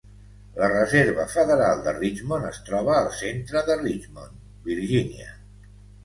La Reserva Federal de Richmond es troba al centre de Richmond, Virgínia.